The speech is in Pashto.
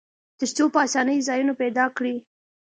تر څو په آسانۍ ځایونه پیدا کړي.